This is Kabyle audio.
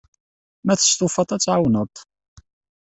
Ma testufaḍ, ad t-tɛawneḍ.